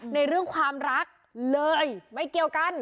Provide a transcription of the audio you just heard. ในเรื่องความรักเลยไม่เกี่ยวกัน